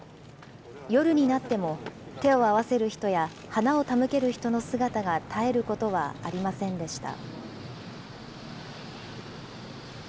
夜になっても手を合わせる人や、花を手向ける人の姿が絶えることはありませんでした。